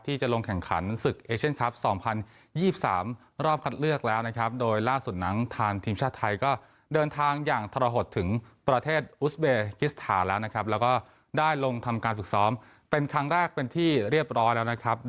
ที่จะลงแข่งขันศึกเอเชียนครัป